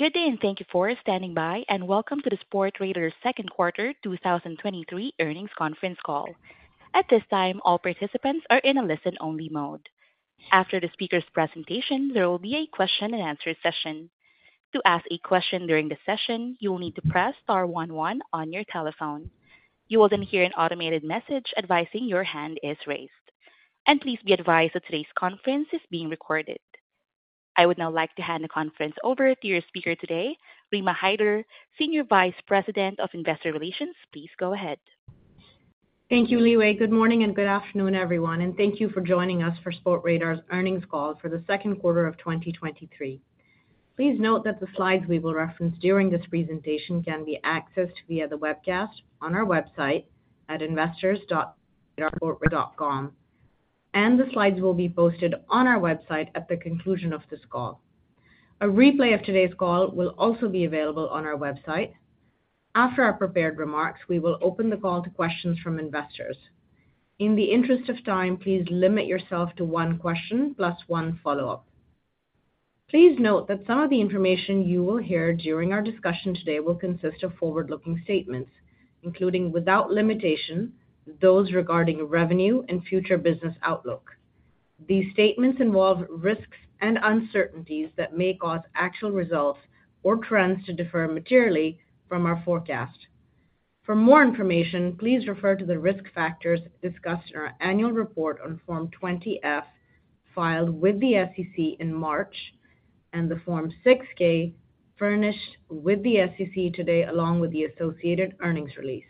Good day. Thank you for standing by, and welcome to the Sportradar's Q2, 2023 earnings conference call. At this time, all participants are in a listen-only mode. After the speaker's presentation, there will be a question and answer session. To ask a question during the session, you will need to press star one one on your telephone. You will then hear an automated message advising your hand is raised. Please be advised that today's conference is being recorded. I would now like to hand the conference over to your speaker today, Rima Hyder, Senior Vice President of Investor Relations. Please go ahead. Thank you, Li Wei. Good morning and good afternoon, everyone, and thank you for joining us for Sportradar's earnings call for the Q2 of 2023. Please note that the slides we will reference during this presentation can be accessed via the webcast on our website at investors.sportradar.com, and the slides will be posted on our website at the conclusion of this call. A replay of today's call will also be available on our website. After our prepared remarks, we will open the call to questions from investors. In the interest of time, please limit yourself to one question plus one follow-up. Please note that some of the information you will hear during our discussion today will consist of forward-looking statements, including, without limitation, those regarding revenue and future business outlook. These statements involve risks and uncertainties that may cause actual results or trends to differ materially from our forecast. For more information, please refer to the risk factors discussed in our annual report on Form 20-F, filed with the SEC in March, and the Form 6-K, furnished with the SEC today, along with the associated earnings release.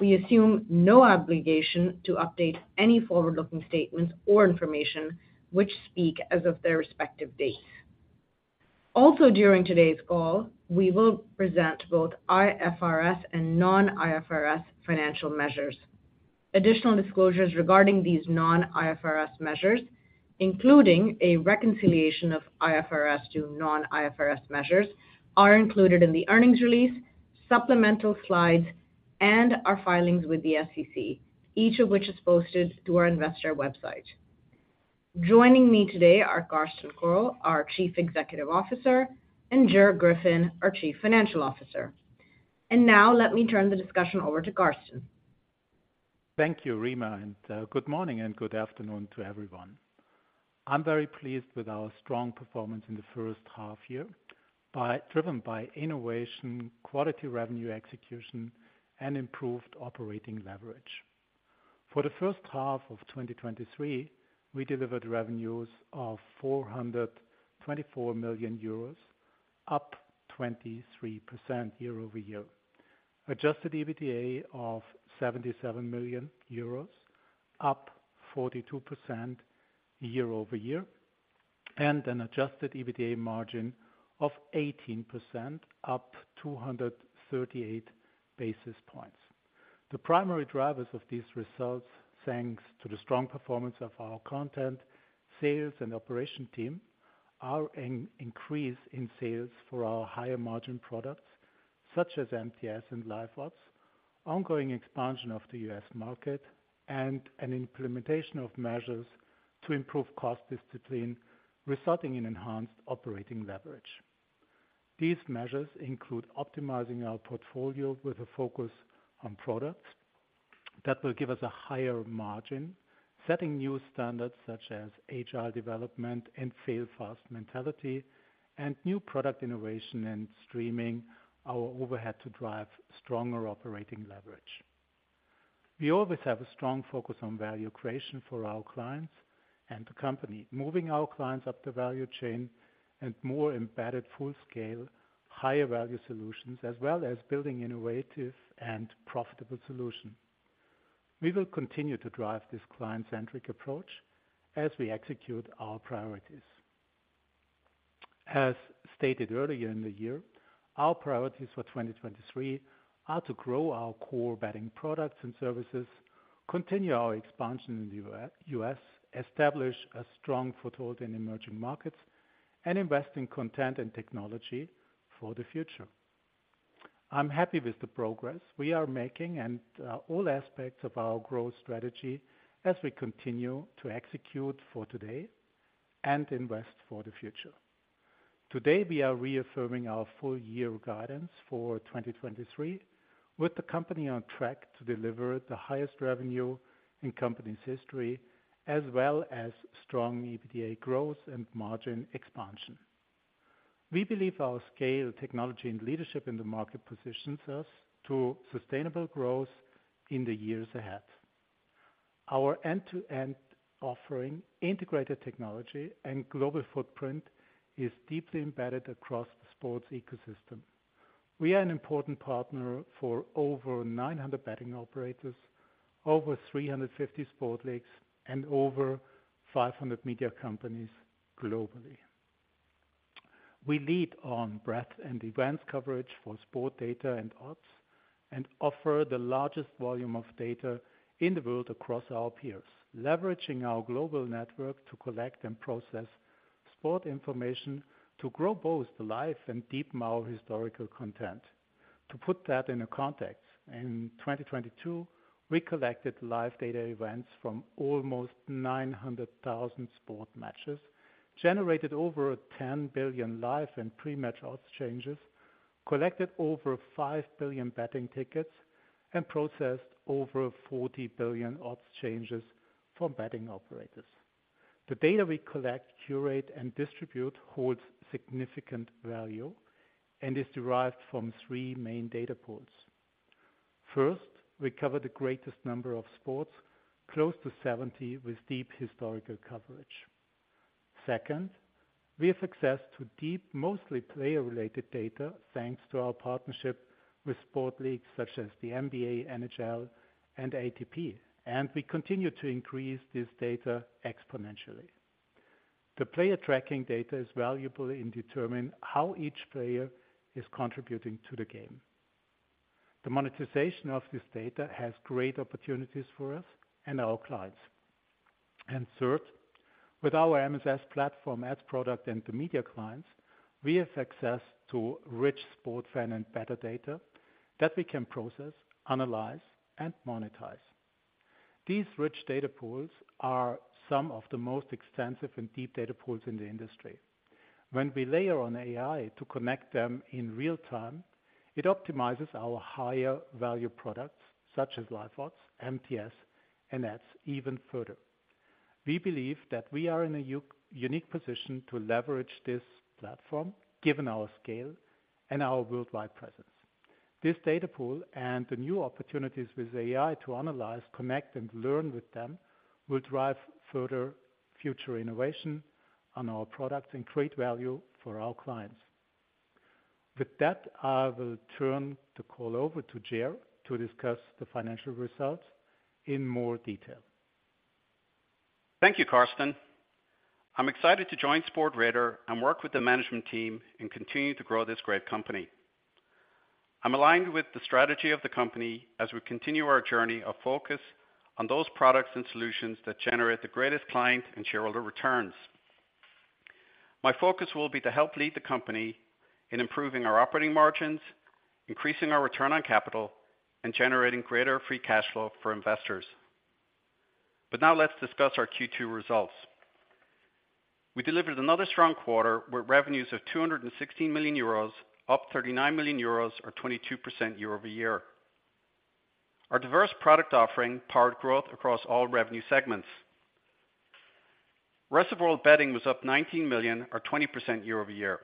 We assume no obligation to update any forward-looking statements or information which speak as of their respective dates. Also, during today's call, we will present both IFRS and non-IFRS financial measures. Additional disclosures regarding these non-IFRS measures, including a reconciliation of IFRS to non-IFRS measures, are included in the earnings release, supplemental slides, and our filings with the SEC, each of which is posted to our investor website. Joining me today are Carsten Koerl, our Chief Executive Officer, and Ger Griffin, our Chief Financial Officer. Now let me turn the discussion over to Karsten. Thank you, Rima. Good morning and good afternoon to everyone. I'm very pleased with our strong performance in the first half year driven by innovation, quality revenue execution, and improved operating leverage. For the first half of 2023, we delivered revenues of 424 million euros, up 23% year-over-year. Adjusted EBITDA of 77 million euros, up 42% year-over-year, and an adjusted EBITDA margin of 18%, up 238 basis points. The primary drivers of these results, thanks to the strong performance of our content, sales, and operation team, are an increase in sales for our higher-margin products, such as MTS and Live Ops, ongoing expansion of the U.S. market, and an implementation of measures to improve cost discipline, resulting in enhanced operating leverage. These measures include optimizing our portfolio with a focus on products that will give us a higher margin, setting new standards such as HR development and fail-fast mentality, and new product innovation and streaming our overhead to drive stronger operating leverage. We always have a strong focus on value creation for our clients and the company, moving our clients up the value chain and more embedded, full-scale, higher-value solutions, as well as building innovative and profitable solutions. We will continue to drive this client-centric approach as we execute our priorities. As stated earlier in the year, our priorities for 2023 are to grow our core betting products and services, continue our expansion in the U.S., establish a strong foothold in emerging markets, and invest in content and technology for the future. I'm happy with the progress we are making and all aspects of our growth strategy as we continue to execute for today and invest for the future. Today, we are reaffirming our full-year guidance for 2023, with the company on track to deliver the highest revenue in company's history, as well as strong EBITDA growth and margin expansion. We believe our scale, technology, and leadership in the market positions us to sustainable growth in the years ahead. Our end-to-end offering, integrated technology, and global footprint is deeply embedded across the sports ecosystem. We are an important partner for over 900 betting operators, over 350 sport leagues, and over 500 media companies globally. We lead on breadth and events coverage for sport data and odds, and offer the largest volume of data in the world across our peers, leveraging our global network to collect and process sport information to grow both the live and deepen our historical content. To put that in a context, in 2022, we collected live data events from almost 900,000 sport matches, generated over 10 billion live and pre-match odds changes, collected over 5 billion betting tickets, and processed over 40 billion odds changes for betting operators. The data we collect, curate, and distribute holds significant value and is derived from three main data pools. First, we cover the greatest number of sports, close to 70, with deep historical coverage. Second, we have access to deep, mostly player-related data, thanks to our partnership with sport leagues such as the NBA, NHL, and ATP, we continue to increase this data exponentially. The player tracking data is valuable in determining how each player is contributing to the game. The monetization of this data has great opportunities for us and our clients. Third, with our MSS platform ads product and the media clients, we have access to rich sport fan and better data that we can process, analyze, and monetize. These rich data pools are some of the most extensive and deep data pools in the industry. When we layer on AI to connect them in real time, it optimizes our higher value products, such as Live Odds, MTS, and ads, even further. We believe that we are in a unique position to leverage this platform, given our scale and our worldwide presence. This data pool and the new opportunities with AI to analyze, connect, and learn with them, will drive further future innovation on our products and create value for our clients. With that, I will turn the call over to Gerry to discuss the financial results in more detail. Thank you, Carsten. I'm excited to join Sportradar and work with the management team and continue to grow this great company. I'm aligned with the strategy of the company as we continue our journey of focus on those products and solutions that generate the greatest client and shareholder returns. My focus will be to help lead the company in improving our operating margins, increasing our return on capital, and generating greater free cash flow for investors. Now let's discuss our Q2 results. We delivered another strong quarter, with revenues of 216 million euros, up 39 million euros, or 22% year-over-year. Our diverse product offering powered growth across all revenue segments. Rest of World Betting was up 19 million, or 20% year-over-year,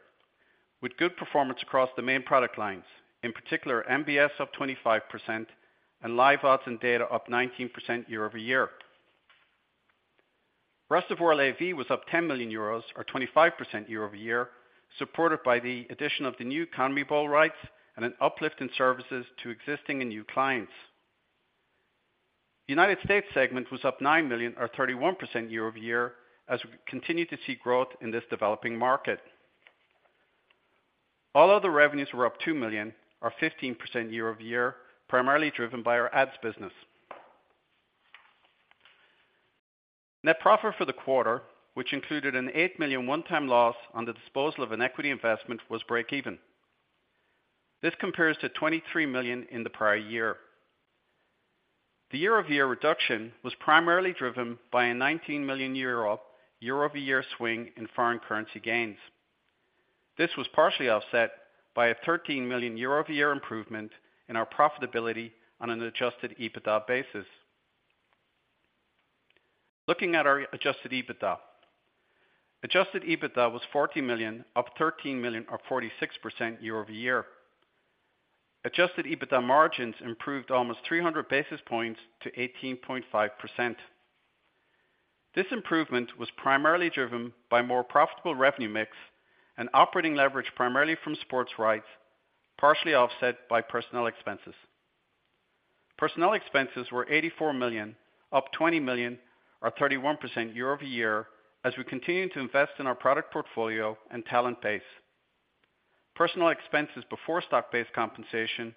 with good performance across the main product lines, in particular, MBS up 25% and Live Odds and data up 19% year-over-year. Rest of World AV was up 10 million euros, or 25% year-over-year, supported by the addition of the new CONMEBOL rights and an uplift in services to existing and new clients. United States segment was up 9 million, or 31% year-over-year, as we continue to see growth in this developing market. All other revenues were up 2 million, or 15% year-over-year, primarily driven by our ads business. Net profit for the quarter, which included an 8 million one-time loss on the disposal of an equity investment, was break even. This compares to 23 million in the prior year. The year-over-year reduction was primarily driven by a 19 million euro year-over-year swing in foreign currency gains. This was partially offset by a 13 million euro year-over-year improvement in our profitability on an adjusted EBITDA basis. Looking at our adjusted EBITDA. Adjusted EBITDA was 40 million, up 13 million, or 46% year-over-year. Adjusted EBITDA margins improved almost 300 basis points to 18.5%. This improvement was primarily driven by more profitable revenue mix and operating leverage, primarily from sports rights, partially offset by personnel expenses. Personnel expenses were 84 million, up 20 million, or 31% year-over-year, as we continue to invest in our product portfolio and talent base. Personnel expenses before stock-based compensation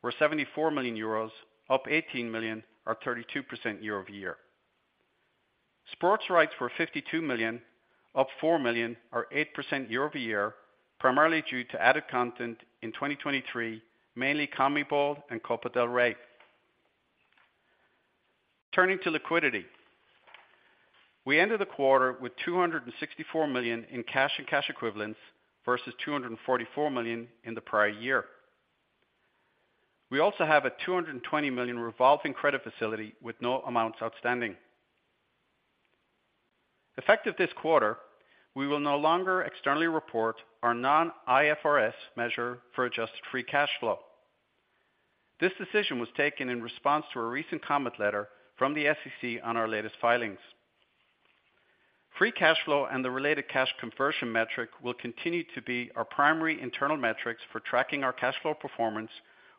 were 74 million euros, up 18 million, or 32% year-over-year. Sports rights were $52 million, up $4 million, or 8% year-over-year, primarily due to added content in 2023, mainly CONMEBOL and Copa del Rey. Turning to liquidity. We ended the quarter with $264 million in cash and cash equivalents versus $244 million in the prior year. We also have a $220 million revolving credit facility with no amounts outstanding. Effective this quarter, we will no longer externally report our non-IFRS measure for adjusted free cash flow. This decision was taken in response to a recent comment letter from the SEC on our latest filings. Free cash flow and the related cash conversion metric will continue to be our primary internal metrics for tracking our cash flow performance,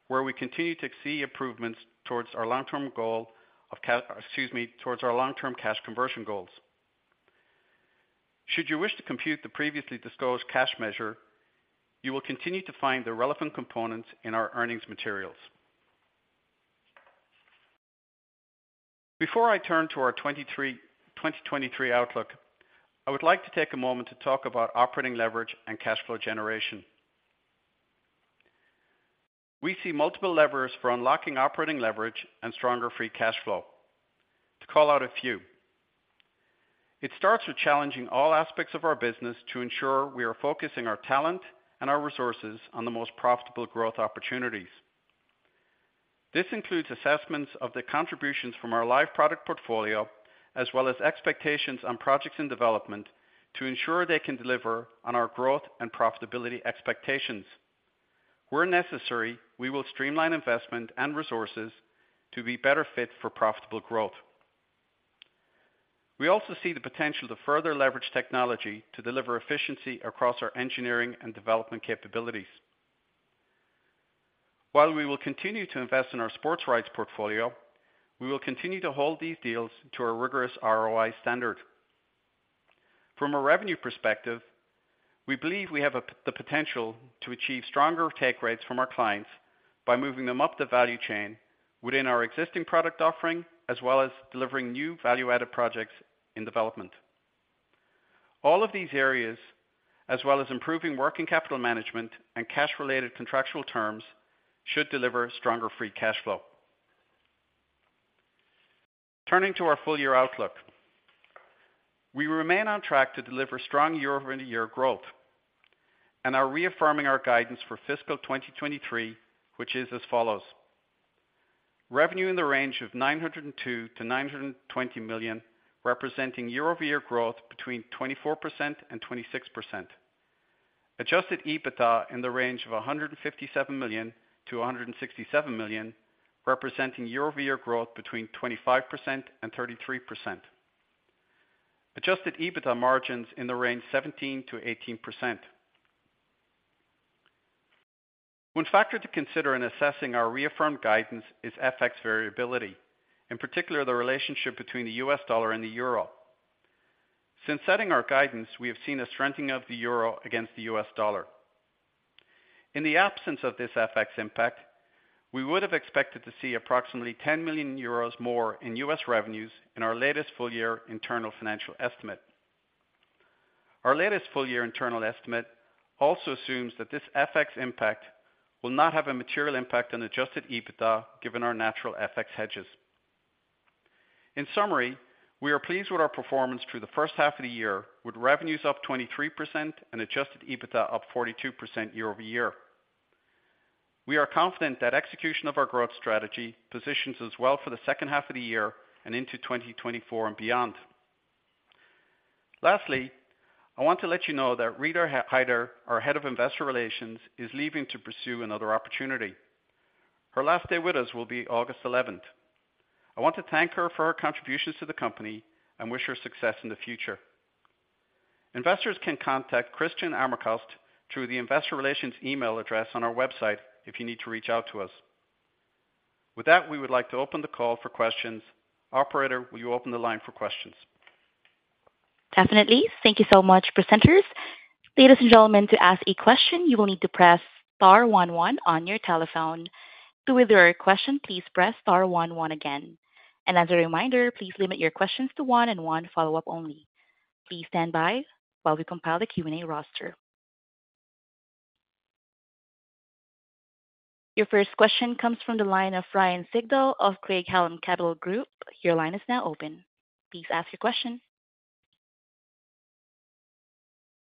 where we continue to see improvements towards our long-term goal of excuse me, towards our long-term cash conversion goals. Should you wish to compute the previously disclosed cash measure, you will continue to find the relevant components in our earnings materials. Before I turn to our 2023 outlook, I would like to take a moment to talk about operating leverage and cash flow generation. We see multiple levers for unlocking operating leverage and stronger free cash flow. To call out a few: It starts with challenging all aspects of our business to ensure we are focusing our talent and our resources on the most profitable growth opportunities. This includes assessments of the contributions from our live product portfolio, as well as expectations on projects and development, to ensure they can deliver on our growth and profitability expectations. Where necessary, we will streamline investment and resources to be better fit for profitable growth. We also see the potential to further leverage technology to deliver efficiency across our engineering and development capabilities. While we will continue to invest in our sports rights portfolio, we will continue to hold these deals to a rigorous ROI standard. From a revenue perspective, we believe we have the potential to achieve stronger take rates from our clients by moving them up the value chain within our existing product offering, as well as delivering new value-added projects in development. All of these areas, as well as improving working capital management and cash-related contractual terms, should deliver stronger free cash flow. Turning to our full-year outlook, we remain on track to deliver strong year-over-year growth and are reaffirming our guidance for fiscal 2023, which is as follows: Revenue in the range of $902 million-$920 million, representing year-over-year growth between 24% and 26%. Adjusted EBITDA in the range of $157 million-$167 million, representing year-over-year growth between 25% and 33%. Adjusted EBITDA margins in the range 17%-18%. One factor to consider in assessing our reaffirmed guidance is FX variability, in particular, the relationship between the US dollar and the euro. Since setting our guidance, we have seen a strengthening of the euro against the US dollar. In the absence of this FX impact, we would have expected to see approximately 10 million euros more in US revenues in our latest full year internal financial estimate. Our latest full year internal estimate also assumes that this FX impact will not have a material impact on adjusted EBITDA, given our natural FX hedges. In summary, we are pleased with our performance through the first half of the year, with revenues up 23% and adjusted EBITDA up 42% year-over-year. We are confident that execution of our growth strategy positions us well for the second half of the year and into 2024 and beyond. Lastly, I want to let you know that Rima Hyder, our Head of Investor Relations, is leaving to pursue another opportunity. Her last day with us will be August 11th. I want to thank her for her contributions to the company and wish her success in the future. Investors can contact Christian Amerkvist through the investor relations email address on our website if you need to reach out to us. With that, we would like to open the call for questions. Operator, will you open the line for questions? Definitely. Thank you so much, presenters. Ladies and gentlemen, to ask a question, you will need to press star one one on your telephone. To withdraw your question, please press star one one again. As a reminder, please limit your questions to one and one follow-up only. Please stand by while we compile the Q&A roster. Your first question comes from the line of Ryan Sigl of Craig-Hallum Capital Group. Your line is now open. Please ask your question.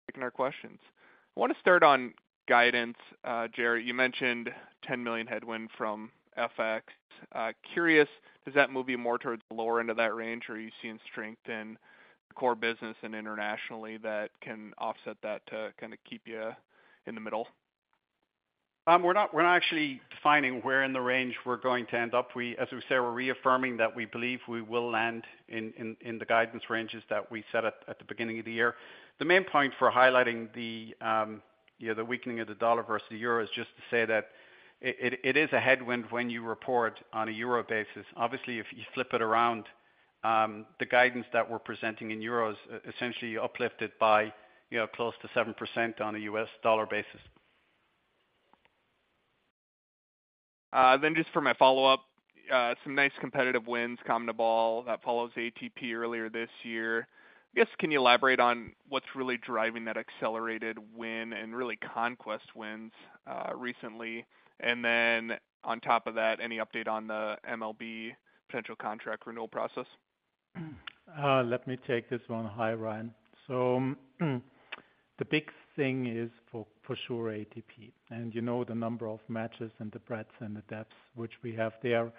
Taking our questions. I want to start on guidance. Gerry, you mentioned $10 million headwind from FX. Curious, does that move you more towards the lower end of that range, or are you seeing strength in the core business and internationally that can offset that to kind of keep you in the middle? We're not, we're not actually defining where in the range we're going to end up. As we said, we're reaffirming that we believe we will land in, in, in the guidance ranges that we set at, at the beginning of the year. The main point for highlighting the, you know, the weakening of the dollar versus the euro is just to say that it, it, it is a headwind when you report on a euro basis. Obviously, if you flip it around, the guidance that we're presenting in euros essentially uplifted by, you know, close to 7% on a US dollar basis. Just for my follow-up, some nice competitive wins, CONMEBOL, that follows ATP earlier this year. I guess, can you elaborate on what's really driving that accelerated win and really conquest wins recently? And then on top of that, any update on the MLB potential contract renewal process? Let me take this one. Hi, Ryan. The big thing is for, for sure, ATP, you know, the number of matches and the breadths and the depths which we have there,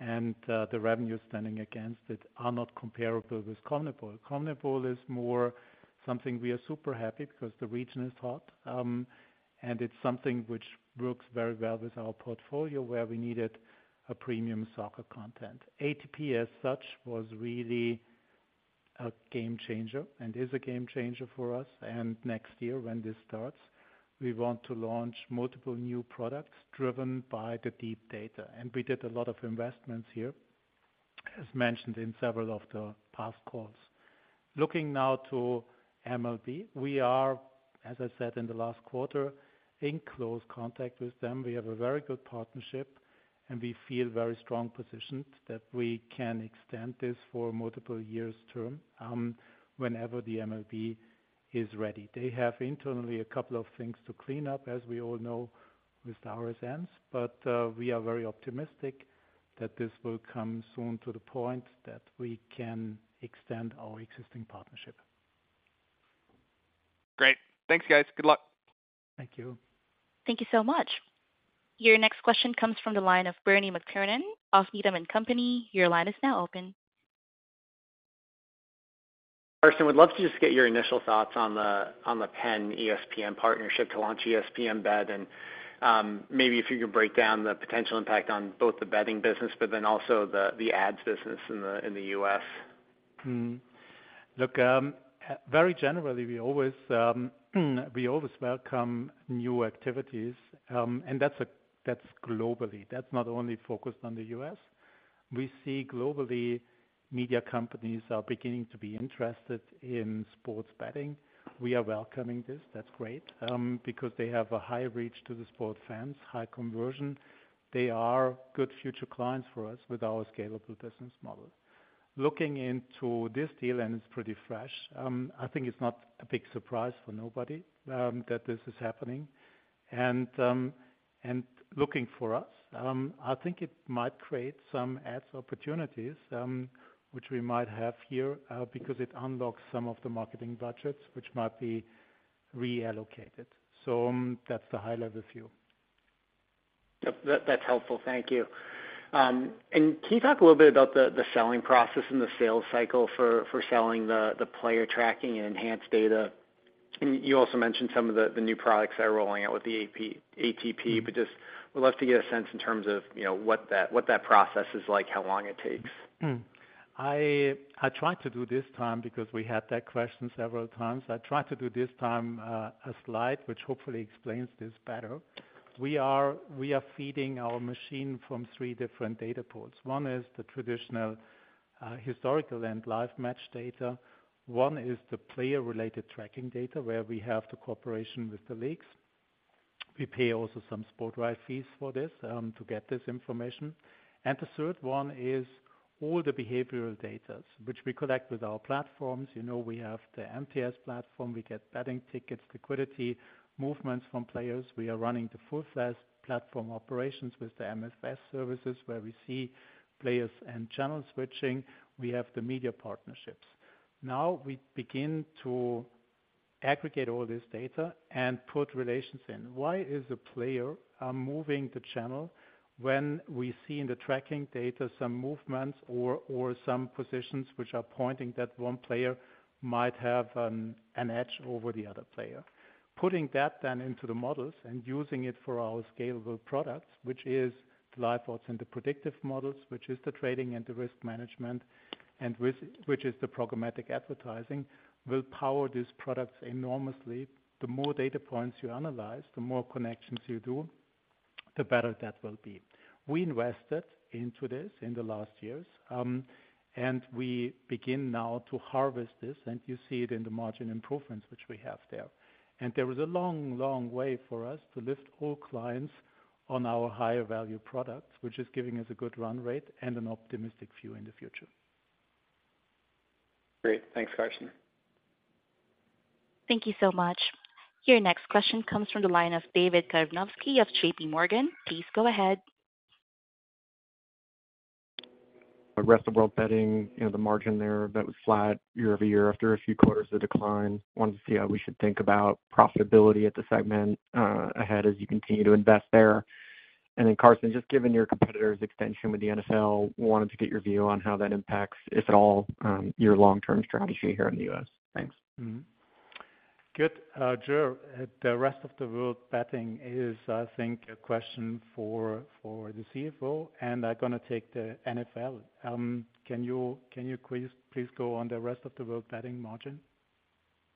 the revenue standing against it are not comparable with CONMEBOL. CONMEBOL is more something we are super happy because the region is hot, it's something which works very well with our portfolio, where we needed a premium soccer content. ATP, as such, was really a game changer and is a game changer for us. Next year, when this starts, we want to launch multiple new products driven by the deep data. We did a lot of investments here, as mentioned in several of the past calls. Looking now to MLB, we are, as I said in the last quarter, in close contact with them. We have a very good partnership. We feel very strong positioned that we can extend this for multiple years term, whenever the MLB is ready. They have internally a couple of things to clean up, as we all know, with the RSNs. We are very optimistic that this will come soon to the point that we can extend our existing partnership. Great. Thanks, guys. Good luck. Thank you. Thank you so much. Your next question comes from the line of Bernie McTernan of Needham and Company. Your line is now open. Carsten, would love to just get your initial thoughts on the, on the PENN ESPN partnership to launch ESPN Betting. Maybe if you could break down the potential impact on both the betting business, but then also the, the ads business in the, in the US? Look, very generally, we always, we always welcome new activities. That's that's globally. That's not only focused on the US. We see globally, media companies are beginning to be interested in sports betting. We are welcoming this. That's great, because they have a high reach to the sports fans, high conversion. They are good future clients for us with our scalable business model. Looking into this deal, it's pretty fresh, I think it's not a big surprise for nobody that this is happening. Looking for us, I think it might create some ads opportunities, which we might have here, because it unlocks some of the marketing budgets, which might be reallocated. That's the high-level view. Yep, that, that's helpful. Thank you. Can you talk a little bit about the, the selling process and the sales cycle for, for selling the, the player tracking and enhanced data? You also mentioned some of the, the new products that are rolling out with the ATP, just would love to get a sense in terms of, you know, what that, what that process is like, how long it takes? I, I tried to do this time because we had that question several times. I tried to do this time a slide which hopefully explains this better. We are, we are feeding our machine from three different data ports. One is the traditional historical and live match data. One is the player-related tracking data, where we have the cooperation with the leagues. We pay also some sport right fees for this to get this information. And the third one is all the behavioral data, which we collect with our platforms. You know, we have the MTS platform. We get betting tickets, liquidity, movements from players. We are running the full-size platform operations with the MFS services, where we see players and channel switching. We have the media partnerships. Now, we begin to aggregate all this data and put relations in. Why is the player moving the channel when we see in the tracking data some movements or, or some positions which are pointing that one player might have an edge over the other player? Putting that then into the models and using it for our scalable products, which is the Live Odds and the predictive models, which is the trading and the risk management, and which is the programmatic advertising, will power these products enormously. The more data points you analyze, the more connections you do, the better that will be. We invested into this in the last years, and we begin now to harvest this, and you see it in the margin improvements which we have there. There is a long, long way for us to lift all clients on our higher value products, which is giving us a good run rate and an optimistic view in the future. Great. Thanks, Carsten. Thank you so much. Your next question comes from the line of David Karnovsky of J.P. Morgan. Please go ahead. The Rest of World Betting, you know, the margin there that was flat year-over-year after a few quarters of decline. Wanted to see how we should think about profitability at the segment ahead as you continue to invest there. Carsten, just given your competitor's extension with the NFL, wanted to get your view on how that impacts, if at all, your long-term strategy here in the US. Thanks. Mm-hmm. Good. Drew, the Rest of World Betting is, I think, a question for the CFO. I'm gonna take the NFL. Can you, can you please, please go on the Rest of World Betting margin?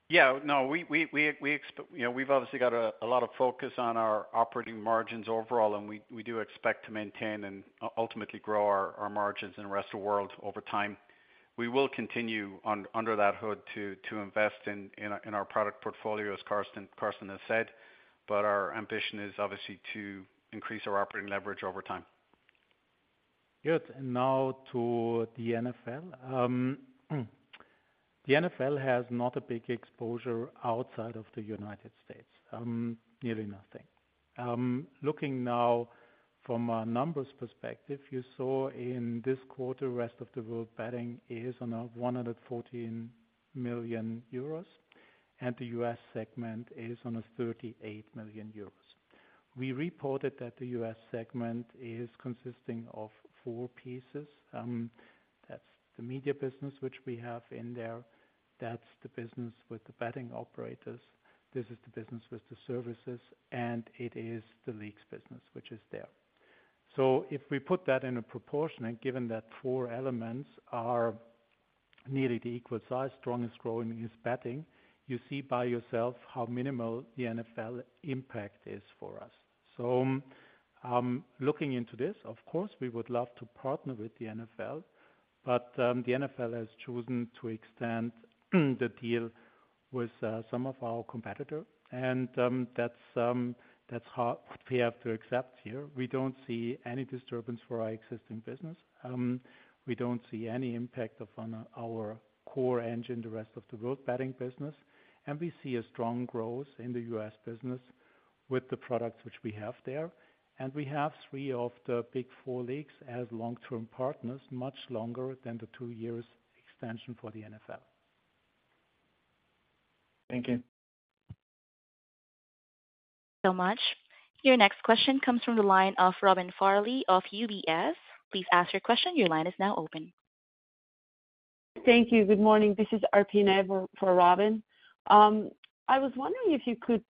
Yeah. No, we, we, we, we, you know, we've obviously got a, a lot of focus on our operating margins overall, and we, we do expect to maintain and ultimately grow our, our margins in the Rest of World over time. We will continue under that hood to, to invest in, in our, in our product portfolio, as Carsten, Carsten has said, but our ambition is obviously to increase our operating leverage over time. Good. Now to the NFL. The NFL has not a big exposure outside of the United States, nearly nothing. Looking now from a numbers perspective, you saw in this quarter, Rest of World Betting is on a 114 million euros, and the US segment is on a 38 million euros. We reported that the US segment is consisting of four pieces. That's the media business, which we have in there. That's the business with the betting operators. This is the business with the services, and it is the leagues business, which is there. If we put that in a proportion, and given that four elements are nearly the equal size, strongest growing is betting, you see by yourself how minimal the NFL impact is for us. Looking into this, of course, we would love to partner with the NFL, the NFL has chosen to extend the deal with some of our competitor, that's hard. We have to accept here. We don't see any disturbance for our existing business. We don't see any impact of on our core engine, the Rest of World Betting business. We see a strong growth in the US business with the products which we have there. We have three of the big four leagues as long-term partners, much longer than the two years extension for the NFL. Thank you. Thank you so much. Your next question comes from the line of Robin Farley of UBS. Please ask your question. Your line is now open. Thank you. Good morning. This is R.P. Neave for, for Robin. I was wondering if you could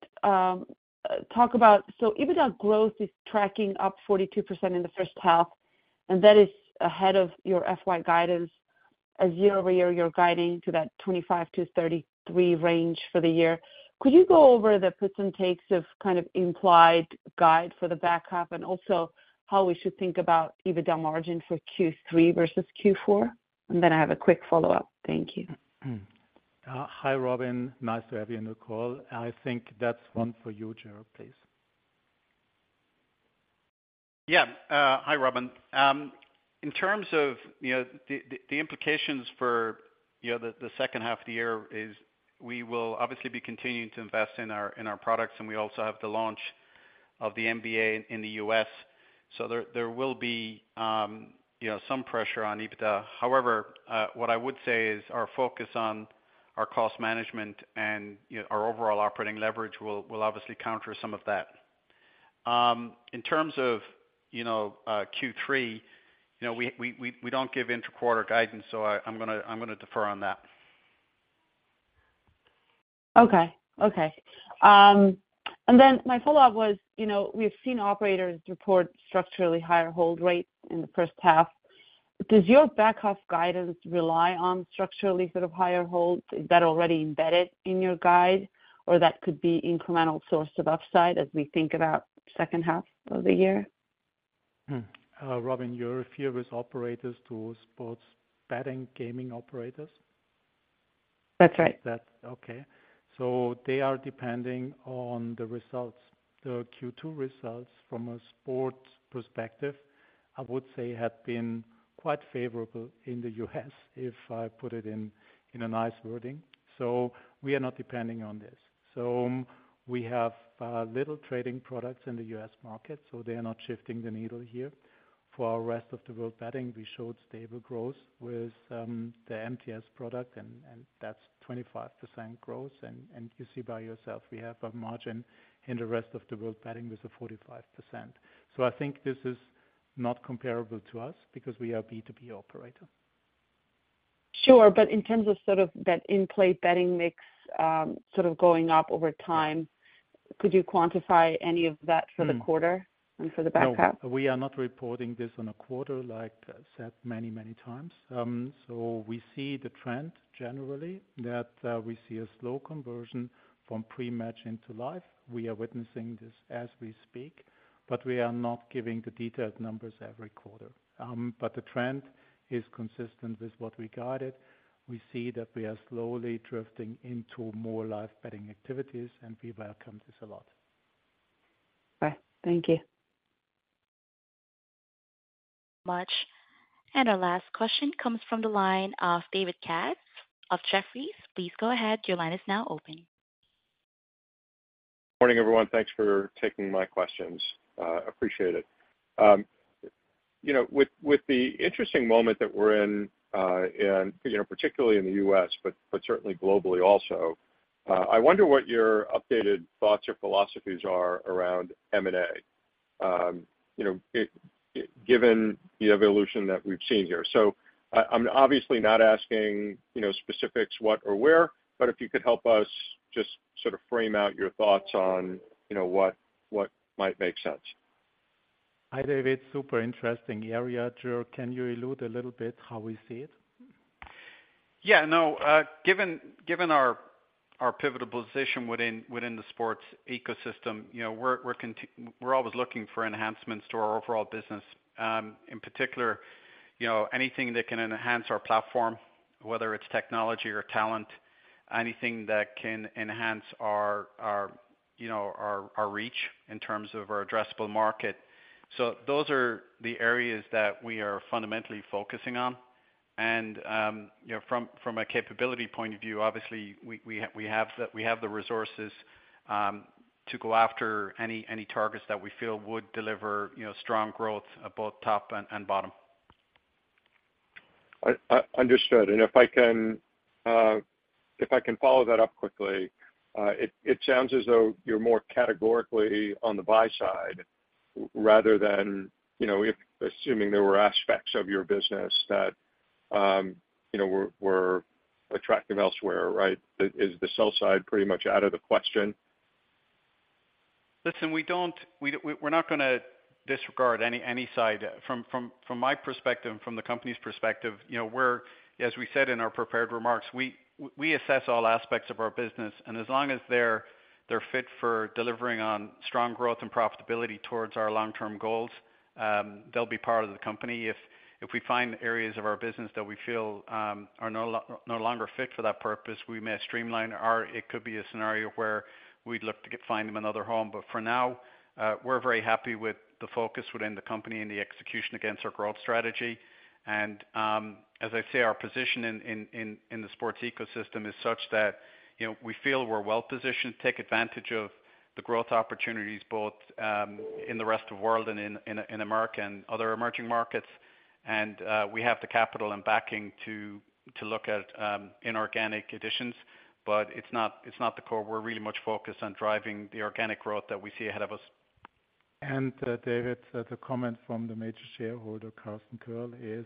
talk about, so EBITDA growth is tracking up 42% in the first half, and that is ahead of your FY guidance. As year-over-year, you're guiding to that 25%-33% range for the year. Could you go over the puts and takes of kind of implied guide for the back half, and also how we should think about EBITDA margin for Q3 versus Q4? I have a quick follow-up. Thank you. Hi, Robin. Nice to have you on the call. I think that's one for you, Gerard, please. Yeah. hi, Robin. In terms of, you know, the, the, the implications for, you know, the, the second half of the year is we will obviously be continuing to invest in our, in our products, and we also have the launch of the NBA in the US so there, there will be, you know, some pressure on EBITDA. However, what I would say is our focus on our cost management and, you know, our overall operating leverage will, will obviously counter some of that. In terms of, you know, Q3, you know, we, we, we, we don't give inter-quarter guidance, so I, I'm gonna, I'm gonna defer on that. Okay, okay. My follow-up was, you know, we've seen operators report structurally higher hold rates in the first half. Does your back half guidance rely on structurally sort of higher holds? Is that already embedded in your guide, or could that be incremental source of upside as we think about second half of the year? Robin, you're here with operators to sports betting, gaming operators? That's right. That's okay. They are depending on the results. The Q2 results from a sports perspective, I would say, have been quite favorable in the US, if I put it in a nice wording. We are not depending on this. We have little trading products in the US market, so they are not shifting the needle here. For our Rest of World Betting, we showed stable growth with the MTS product, and that's 25% growth. You see by yourself, we have a margin in the Rest of World Betting with a 45%. I think this is not comparable to us because we are B2B operator. Sure. In terms of sort of that in-play betting mix, sort of going up over time, could you quantify any of that for the quarter? Hmm. For the back half? No, we are not reporting this on a quarter like I said many, many times. We see the trend generally, that, we see a slow conversion from pre-match into live. We are witnessing this as we speak, but we are not giving the detailed numbers every quarter. The trend is consistent with what we guided. We see that we are slowly drifting into more live betting activities, and we welcome this a lot. Bye. Thank you. Much. Our last question comes from the line of David Katz of Jefferies. Please go ahead. Your line is now open. Morning, everyone. Thanks for taking my questions, appreciate it. You know, with, with the interesting moment that we're in, in, you know, particularly in the US, but, but certainly globally also, I wonder what your updated thoughts or philosophies are around M&A. You know, given the evolution that we've seen here. I, I'm obviously not asking, you know, specifics what or where, but if you could help us just sort of frame out your thoughts on, you know, what, what might make sense. Hi, David. Super interesting area. Gerald, can you allude a little bit how we see it? Yeah, no, given, given our, our pivotable position within, within the sports ecosystem, you know, we're, we're always looking for enhancements to our overall business. In particular, you know, anything that can enhance our platform, whether it's technology or talent, anything that can enhance our, our, you know, our, our reach in terms of our addressable market. Those are the areas that we are fundamentally focusing on. You know, from, from a capability point of view, obviously, we, we, we have the, we have the resources, to go after any, any targets that we feel would deliver, you know, strong growth at both top and, and bottom. Understood. If I can follow that up quickly, it sounds as though you're more categorically on the buy side rather than, you know, if assuming there were aspects of your business that, you know, were attractive elsewhere, right? Is the sell side pretty much out of the question? Listen, we don't- we're not gonna disregard any, any side. From my perspective, from the company's perspective, you know, we're, as we said in our prepared remarks, we assess all aspects of our business, and as long as they're, they're fit for delivering on strong growth and profitability towards our long-term goals, they'll be part of the company. If, if we find areas of our business that we feel, are no longer fit for that purpose, we may streamline, or it could be a scenario where we'd look to get find them another home. For now, we're very happy with the focus within the company and the execution against our growth strategy. As I say, our position in, in, in, in the sports ecosystem is such that, you know, we feel we're well positioned to take advantage of the growth opportunities, both in the rest of the world and in, in, in America and other emerging markets. We have the capital and backing to, to look at inorganic additions, but it's not, it's not the core. We're really much focused on driving the organic growth that we see ahead of us. David, the comment from the major shareholder, Carsten Koerl, is,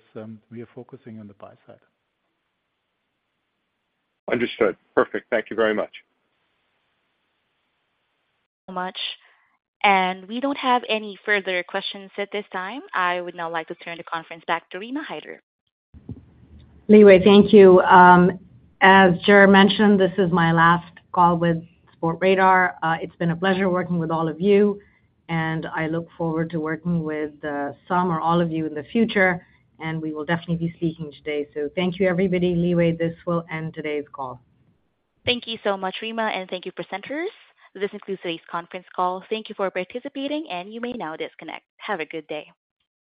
we are focusing on the buy side. Understood. Perfect. Thank you very much. Thank you so much, and we don't have any further questions at this time. I would now like to turn the conference back to Rima Hyder. Li Wei, thank you. As Gerard mentioned, this is my last call with Sportradar. It's been a pleasure working with all of you, and I look forward to working with, some or all of you in the future, and we will definitely be speaking today. Thank you, everybody. Li Wei, this will end today's call. Thank you so much, Rima, and thank you, presenters. This concludes today's conference call. Thank you for participating, and you may now disconnect. Have a good day.